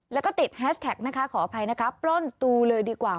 แล้วก็ติดแฮชแท็กนะคะขออภัยนะคะปล้นตูเลยดีกว่า